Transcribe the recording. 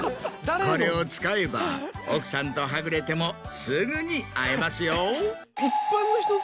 これを使えば奥さんとはぐれてもすぐに会えますよ。